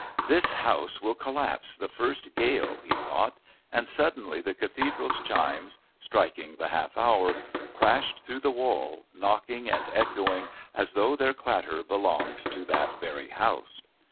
"This house will collapse, the first gale," he thought, and suddenly the Cathedral chimes, striking the half hour, crashed through the wall, knocking and echoing as though their clatter belonged to that very house.